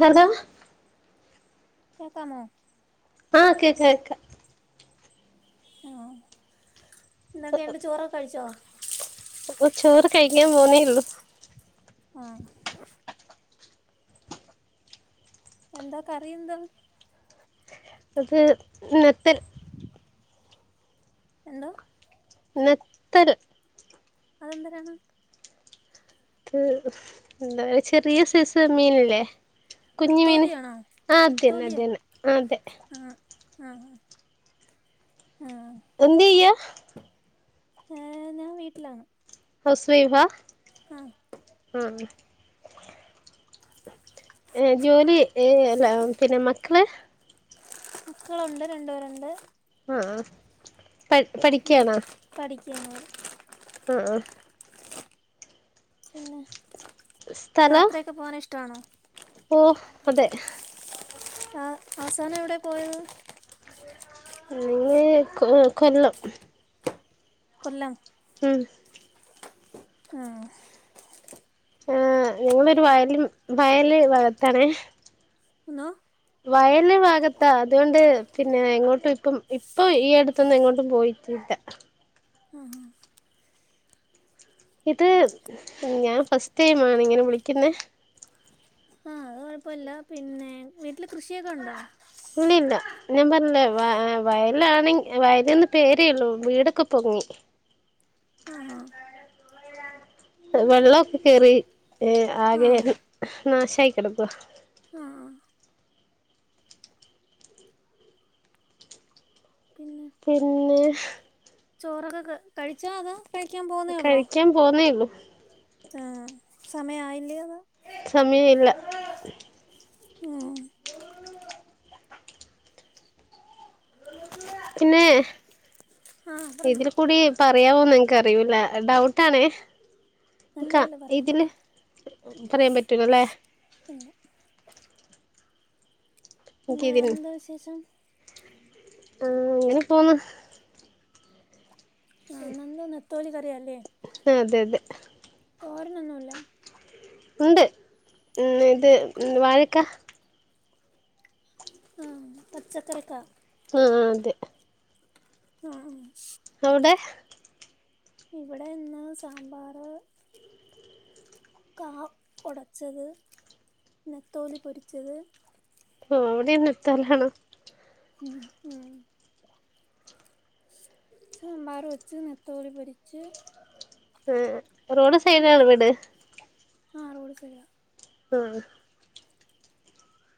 Hello കേക്കാമോ ആഹ് കേക്ക കേക്ക ആഹ് ന്തെക്കെണ്ട് ചോറൊ കഴിച്ചോ ചോറ് കഴിക്കാൻ പോന്നേള്ളു ആഹ് എന്താ കറിയെന്താ അത് നേത്തൽ എന്തോ നെത്തൽ അതെന്തരാണ് ത് എന്താ ചെറിയ സൈസ് മീനില്ലേ കുഞ്ഞി മീന് നത്തോലിയാണോ ആഹ് അതെന്നെ അതെന്നെ അ അതെ ആഹ് എന്ത്യ്യാ ഏഹ് ഞാൻ വീട്ടിലാണ് ഹൗസ് വൈഫാ ആഹ് ഉം ഏഹ് ജോലി ഏഹ് അല്ല പിന്നെ മക്കള് മക്കളുണ്ട് രണ്ടുപേരുണ്ട് ആഹ് പഠ് ഉം പഠിക്കാണ [unintelligible] ആഹ് ആഹ് പിന്നെ സ്ഥലം യാത്രയൊക്കെ പോകാൻ ഇഷ്ടാണോ ഓഹ് അതെ ആ അവസാനം എവിടെയാ പോയത് പോയത് കൊ കൊല്ലം കൊല്ലം ഉം ആഹ് ആഹ് ഞങ്ങളൊരു വയല് വയല് ഭാഗത്താണേ ഹലോ വയല് ഭാഗത്താ അതുകൊണ്ട് പിന്നെ എങ്ങോട്ടും ഇപ്പം ഇപ്പൊ ഈ അടുത്തൊന്നും എങ്ങോട്ടും പോയിട്ടില്ല ആ ഇത് ഞാൻ ഫസ്റ്റ് ടൈം ആണ് ഇങ്ങനെ വിളിക്കുന്നെ ആ അത് കുഴപ്പില്ല പിന്നെ വീട്ടില് കൃഷിയൊക്കെ ഉണ്ടോ ഇല്ല ഇല്ല ഞാൻ പറഞ്ഞില്ലേ വയലാണെങ്കിലും വയലെന്ന് പേരേയുള്ളു വീടൊക്കെ പൊങ്ങി ആഹാ വെള്ളമൊക്കെ കേറി ഏഹ് ആകെയൊരു നാശായി കിടക്കുവാ ആഹ് പിന്നെ പിന്നെ ചോറൊക്കെ കഴിച്ചോ അതോ കഴിക്കാൻ പോവുന്നേ ഉള്ളോ കഴിക്കാൻ പോന്നേയുള്ളു ആഹ് സമയം ആയില്ലയോവാ സമയ [unintelligible] ല്ല [unintelligible] ഉം പിന്നേ ആഹ് പറഞ്ഞോ ഇതിൽ കൂടി പറയാവോന്ന് ഇനക്കറിയൂല ഡൗട്ടാണേ നല്ല ക ഇല്ല പറയ ഇതില് [unintelligible] പറയാൻ പറ്റൂ [unintelligible] ല്ലേ [unintelligible] [inaudible] പിന്നെ എന്താ വിശേഷം ആഹ അങ്ങനെപ്പോന്ന് [unintelligible] തൊലിക്കറിയല്ലേ അതെ അതെ തോരനൊന്നുംല്ല ഉണ്ട് [unintelligible] ഇത് വാഴക്ക ആഹ പച്ചക്കറിക്കാ ആഹ് അതെ ആഹ് അവിടെ ഇവിടെ ഇന്ന് സാമ്പാറ് കാ ഒടച്ചത് നെത്തോലി പൊരിച്ചത് അവിടെ ത്തലാണോ ഉം ഉം സാമ്പാറ് വെച്ച് നത്തോലി പൊരിച്ച് ഏഹ് റോഡ് സൈഡാണോ വീട് ആഹ റോഡ് സൈഡാ ആഹ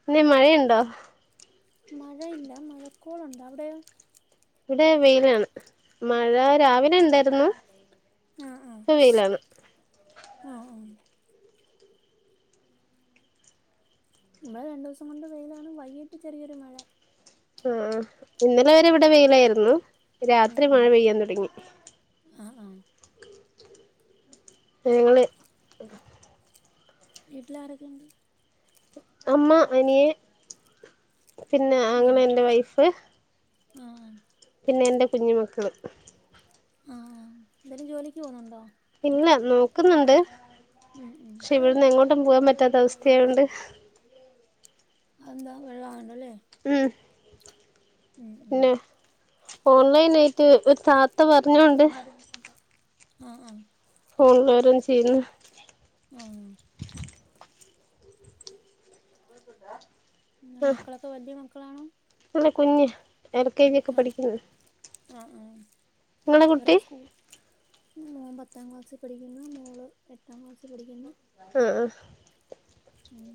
എങ്ങനെയാ മഴയുണ്ടോ മഴയില്ല മഴക്കോളുണ്ട് അവിടെയോ ഇവിടെ വെയിലാണ് മഴ രാവിലെണ്ടാരുന്നു ഇപ്പൊ വെയിലാണ് ആം ഇവടെ രണ്ടൂസം കൊണ്ട് വെയിലാണ് വൈയിട്ട് ചെറിയൊരു മഴ ഉം ഇന്നലെ വരെ ഇവിടെ വെയിലായിരുന്നു ഉം രാത്രി ഉം മഴ പെയ്യാൻ തുടങ്ങി ആ ആ ഞങ്ങള് വീട്ടില് ആരൊക്കെയുണ്ട് അമ്മ അനിയൻ പിന്നെ അങ്ങളേന്റെ വൈഫ് ആഹ് പിന്നെ എന്റെ കുഞ്ഞ് മക്കള് ആഹ് എന്തേലും ജോലിക്ക് പോന്നുണ്ടോ ഇല്ല നോക്കുന്നുണ്ട് ഉം ഉം ട്ടം പോവാൻ പറ്റാത്ത അവസ്ഥായോണ്ട് അതെന്താ വെള്ളാണ് ഉം ഉം ഉം പിന്നെ ഓൺലൈൻ ആയിട്ട് ഒരു താത്ത പറഞ്ഞോണ്ട് ആഹ് ആഹ് ഫോണിലാരും ചെയ്യുന്ന ആഹ് ന്ന ആഹ് മക്കളൊക്കെ വലിയ കു മക്കളാണോ അല്ല കുഞ്ഞ് എൽ കേജിക്കെ പഠിക്കുന്ന് ആഹ് ആഹ് അവരൊക്കെ സ്കൂൾ മൻ പത്താം ക്ലാസ്സിൽ പഠിക്കുന്ന മോള് എട്ടാം ക്ലാസ്സിൽ പഠിക്കുന്ന ആഹ ഉ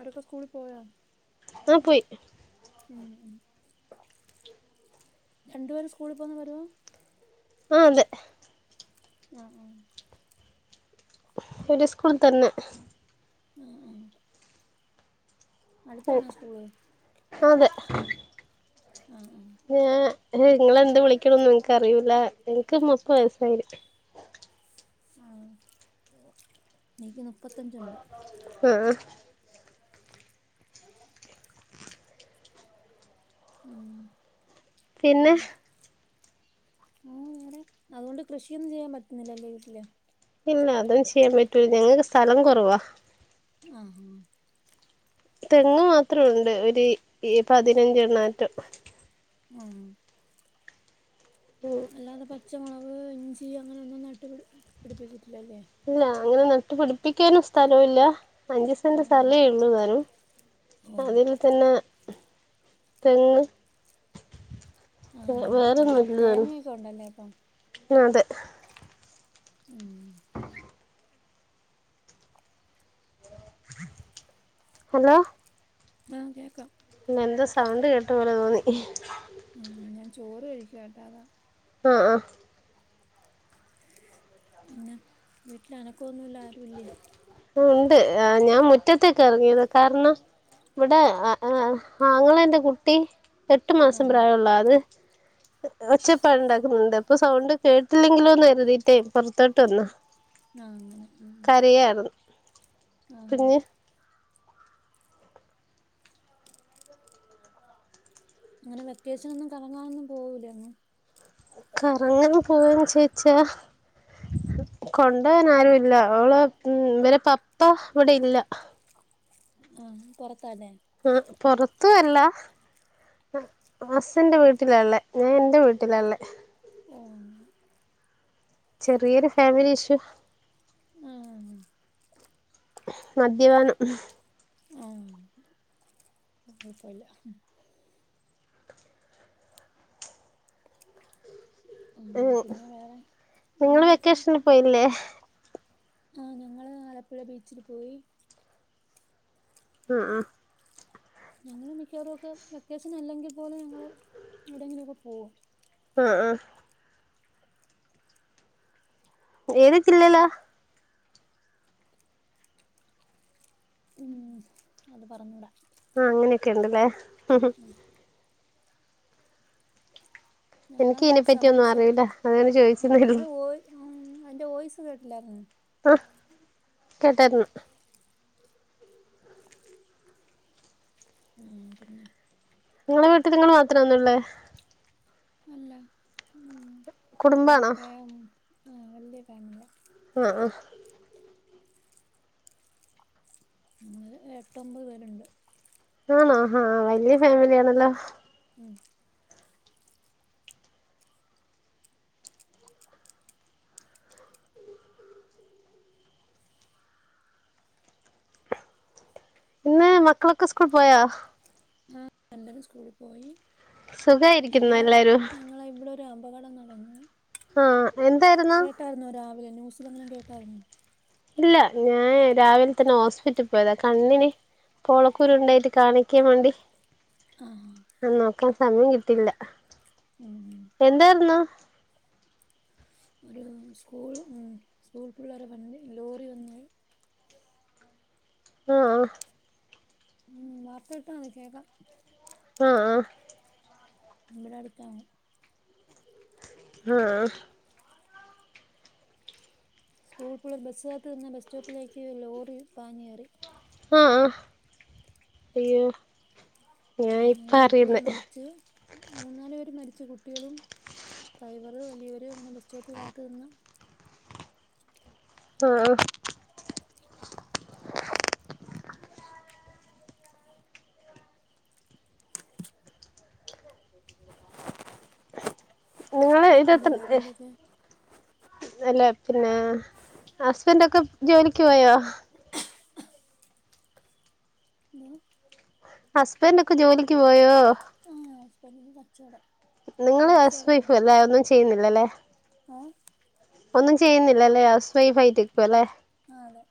ആരൊക്കെ സ്കൂളിൽ പോയ ആഹ പോയി ഉ ഉ രണ്ടുപേര സ്കൂളിൽ പോ വരുവോ ആഹ അതെ ഉം ഉ എവിടെ സ്കൂൾ തന്നെ ആ ആ ഉം അടുത്താണോ സ്കൂള് അതെ ആഹ ഞൻ നിങ്ങളെന്ത് വിളിക്കണംന്ന് നിനക്ക് അറിയിൂല്ല എനിക്ക് മുപ്പ വയസായി ആഹ നക്ക് മുപ്പത്തഞ്ചണ്ട് ആഹ് ഉം പിന്നെ ഓ വേറെ അതുകൊണ്ട് കൃഷിയൊന്നും ചെയ്യാൻ പറ്റുന്നില്ലല്ലേ വീട്ടില് ഇല്ല അതും ചെയ്യാൻ പറ്റൂല ഞങ്ങക്ക് സ്ഥലം കുറവാ ആഹോ തെങ്ങ് മാത്രംുണ്ട് ഒരു പതിനഞ്ച എണ്ണാറ്റം ഉഹ അല്ലാതെ പ പച്ചമുളക്് ഇഞ്ചി അങ്ങനെൊന്നും നട്ട് പിടി പിടിപ്പിച്ചി ഇല്ലല്ലേ ഇല്ല അങ്ങനെ നട്ടുപ പിടിപ്പിക്കാനും സ്ഥലവല്ല അഞ്ചു ആ സെന്റ് സഥലേ എവൂ വരും ഓ അതിൽ തന്നെ തങ് ആ അങ്ങനെ ആഹ തേങ്ങക്കെ ഉണ്ടല്ലേ അപ്പം അത് ഉം ഹലോ ആഹ കേക്കാം പി എന്താ സൗണ്ട് കേട്ട പോലെ തോന്നി ആഹ ഞാൻ ചോറ് കഴിക്കു കേട്ടാ അതാ ആഹ ആ പിന്നെ വീട്ടില അനക്കൊന്നുമല്ല ബുള്ളി ഉണ്ട് ആ ഞാൻ മുറ്റത്തേക്ക് ഇറങ്ങിയത് കാരണം ഇവിടെ താങ്ങള എന്റെ കുട്ടി എട്ട് മാസം ആഹാ പ്രായള്ള അത് ഒച്ചപ്പാട് ഉണ്ടാക്കുന്നുണ്ട് അപ്പൊ സൗണ്ട് കേട്ടില്ലെങ്കിലോ എന്ന് കരുതിട്ട ട്ടെ പൊറ്ത്തോട്ട് വന്ന ആ അങ്ങനെ ഉം കരയായിരുന്നു ആ പിന്നെ അങ്ങനെ വെക്കേഷനൊന്നും കറങ്ങാനൊന്നും പോകൂലേ അങ്ങ് കറങ്ങാൻ പോവോ ചോയിച്ചാ കൊണ്ട്പോവാൻ ആരു ഇല്ല ഒളെ ഉം ഇവരെ പപ്പ ഇവിടെ ഇല്ല ആഹ് പറ ആ പുറത്ത് ത്തുംഅല്ല ഹസ്സിന്റെ വീട്ടിലാള്ളേ ഞാൻ എന്റെ വീട്ടിലാള്ളെ ഓ ചെറിയൊരു ഫാമിലി ഇഷ്യൂ ആഹ് മദ്യപാനം ആഹ് കുഴപ്പവില്ല മം ഉം മ് പിന്നെ വേറെ നിങ്ങള് അമ്മയൊക്കെ വെക്കേഷനിൽ പോയില്ലേ ആഹ് ഞങ്ങള് ആലപ്പുഴ ബീച്ചിൽ പോയി ആഹ് ആഹ് ഞങ്ങള് മിക്കവാറും ഒക്കെ വെക്കേഷൻ അല്ലെങ്കിപോലും ഞങ്ങള് എവിടെയങ്കിലുമൊക്കെ പോകും ആഹ് ആഹ് ഏത് ജില്ലേലാ ഉം അത് പറഞ്ഞൂടാ ആഹ് അങ്ങനെക്കെണ്ട്ല്ലേ ആഹ് ഞങ്ങള് എനിക്ക് ഇതിനെ പറ്റിയൊന്നും സംസ അറിയില്ല അങ്ങനെചോയിച്ചതായിര്ന്നു ആ അയ്ന്റെ വോയിസ് കേട്ടില്ലായിരുന്നു ആഹ് കേട്ടായ്ര്ന്നു ആഹ് പിന്നെ നിങ്ങളെ വീട്ടിൽ നിങ്ങള്ൾ മാത്രംന്നള്ളേ അല്ല ഉം കുടുംബാണോ വാപ്പേം ആഹ് വല്യ ഫാമിലിയ ആഹ് ആഹ് നമ്മള് എട്ടൊമ്പത് പേരുണ്ട് ആണോ ആഹ് വലിയ ഫാമിലി ആണല്ലോ ഉം ഇന്ന് മക്കളൊക്കെ സ്കൂൾ പോയാ ആഹ് എല്ലാരും സ്കൂളിൽ പോയി സുഖായിരിക്കുന്നു ഞങ്ങള് എല്ലാരും ഞങ്ങളെ ഇവിടെ ഒരു അപകടം നടന്നു ആഹ് എന്തായിര്ന്നു ഇതങ്ങനെ കേട്ടായിരുന്നു ല്ല ഞാൻ രാവിലെ തന്നെ ഹോസ്പിറ്റൽ പോയതാ കണ്ണിന് കോളക്കൂരുണ്ടായിട്ട് കാണിക് കേ മണ്ടി ആ ക്കാൻ സമയം കിട്ടില്ല ഉം എന്തായിര്ന്നു ഒരു സ്കൂൾ ഉം സ്കൂൾ പിള്ളേരെ വണ്ടി ലോറി വന്ന് ആഹ് ഉം വാർത്തേട്ടാത് കേക്കാ ആ ഹ ഇവടെ അടുത്താണ് അആഹ് സ്കൂൾകുള്ള ബസ്സഅത്ത് നിന്ന് ബസ് സ്റ്റോപ്പിലേക്ക് ലോറി പാഞ്ഞേറി ആ അയ്യൊ മൂന്ന് കുട്ടികള് മരിച്ചു മൂന്നാല് പേര് മരി ച്ച് കുട്ടികളും ഡ്രൈവറ് വല്യവര് അങ്ങനെ ബസ് സ്റ്റോപ്പിൽ കാത്തു നിന്ന ആഹ് ങ്ങള് പിന്നെ ഇതത്ത്രല്ലെ വേറെന്തൊക്കെ അല്ലെ പിന്നെ ഹസ്ബൻഡൊക്കെ ജോലിക്ക് പോയോ? ന്താ? ഹസ്ബന്റ് ഒക്കെ ജോലി ക്ക് പോയോ? ഉം കച്ചവടം. നിങ്ങള് ഫ്രൂട്ട്സ് ഹസ് വൈഫും എല്ലാ ഒന്നും ചെയ്യുന്നില്ലല്ലേ. ഏ ഒന്നും ചെയ്യുന്നില്ലല്ലേ ഹൗസ് വൈഫായിറ്റ്ക്കല്ലേ? അ അതെ.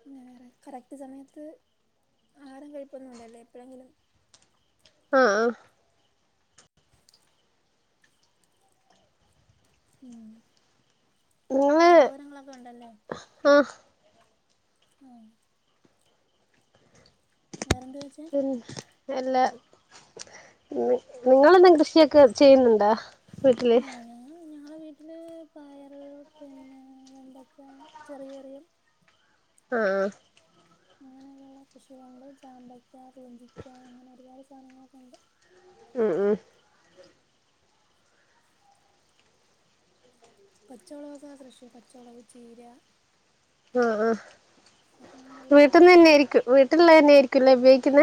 പിന്നെ വേറെ കറക്റ്റ് സമയത്ത് ആരം കഴിപ്പൊന്നും ല്ലലേ എപ്പോഴെങ്കിലും. ആഹ് ആഹ്. ഉം. നിങ്ങള് സഹോദരങ്ങളൊക്കെ ഉണ്ടല്ലേ? ആഹ് ഏഹ്. വേറെന്ത ചോയിച്ചേ? പിന്നെ അല്ല നി നിങ്ങളന്നും കൃഷിയൊക്കെ ചെയ്യുന്നുണ്ടോ? വീട്ടില്? നമ്മുടെ വീട്ടില് പയറ് പിന്നെ വെണ്ടയ്ക്ക ചെറിയറിയം. ആഹ്. അങ്ങനെയുള്ള കൃഷികളുണ്ട് ചാമ്പയ്ക്ക പുഞ്ചിക്ക അങ്ങനെ ഒരുപാട് സാധനങ്ങളൊക്കെ ഉണ്ട്. ഉം ഉം. പച്ചൊളകൊക്കെ കൃഷി പച്ചോളക്, ചീര അ ആ ഇതൊക്കെ ഞങ്ങളുടെ വീട്ടിൽന്ന് വീട്ടിലുണ്ട് തന്നെ ആയിരിക്കും വീട്ടുള്ള തന്നെ ആയിരിക്ക ക്കില്ല ഉപയോഗിക്കുന്ന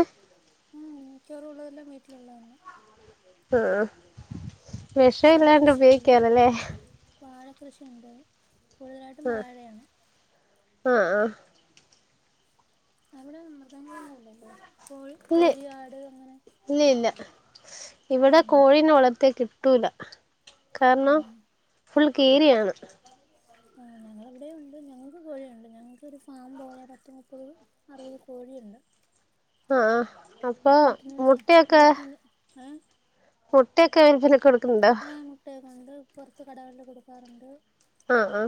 ഉം മിക്കറുംള്ളതല്ലേ വീട്ടിലുള്ളന്നെ അ ആ വാഴ വെഷംല്ലാണ്ട് കൃഷിയുണ്ട് ഉപയോഗിക്കാലല്ലേ വാഴ കൃഷിയുണ്ട് കൂടുതലായിട്ടും വാഴയാണ് ആ ആ അവിടെ മൃഗങ്ങളൊന്നുംല്ലല്ലേ കോഴി ഇല്ല കോഴിയാട് അങ്ങനെ ഇല്ല ഇല്ല ഇവിടെ ഉം കോഴീനോളത്തേക്ക്ട്ട തൂല കാരണം ആഹ് ഫുൽ കീരിയാണ് ആ ഞങ്ങവിടെയുണ്ട് ഞങ്ങൾക്ക് കോഴിയുണ്ട് ഞങ്ങൾക്ക് ഒരു ഫാം പോലെ പത്ത് മുപ്പത് അറുപത് കോഴിയുണ്ട് അ ആ അപ്പൊ വീട്ടിനോട് ചേ മുട്ടയൊക്കെ വീട്ടിന് ഏഹ് മുട്ടയൊക്കെ ങ്ങനെ കൊടുക്ക തുണ്ടോ അണ്ട് പുറത്ത് കടകളിൽ കൊടുക്കാറുണ്ട് ആ ആ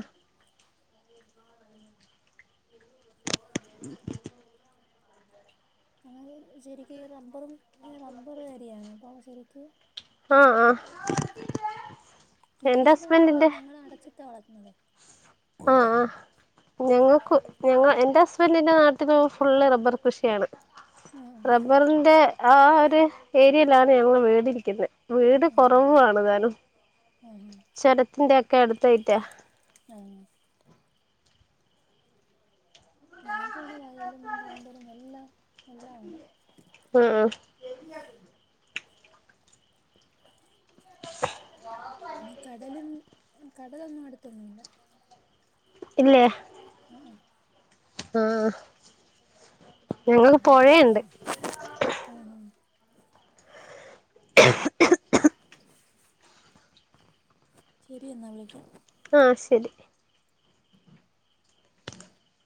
ഉ ങ്ങത് ശരിക്കക്ക് റബ്ബറും റബ്ബർ കരിയാണ് അപ്പൊ ശരിക്കും ആഹ ആഹ കീരിയൊക്കെ കൊണ്ടെന്നാ ഞങ്ങള്ൾ അടച്ചിട്ടാ വളർക്കുന്നത്േ ആഹ് ആഹ് ഞങ്ങൾക്ക് ഞങ്ങ എന്റെ ഹസ്ബൻറിിന്റെ നാട്ടില് ഫുള്ള് റബ്ബർ കൃഷിയാണ് ആഹ് റബ്ബറിന്റെ ആ അതെ ഏരിയയിലാണ്‌ ഞങ്ങൾടെ വീടിരിക്കുന്നെ വീട് ആഹ് കൊറവുാണ് താനും ആഹ് ചരത്തിന്റെ ക്കെടുത്തയിറ്റ ആഹ ഞങ്ങൾക്ക് ഇവിടെ വയലും തമ്പളും എല്ലാം എല്ലാം ഉണ്ട് ആഹ ആ പിന്ന കടലും കടലൊന്നും അടുത്തൊന്നുംല്ല ഇല്ലേ ആഹ് ആഹ് ഞങ്ങൾക്ക് പുഴയുണ്ട് ആഹ് ശരി എന്നാ വിളിക്കാ ആഹ് ശരി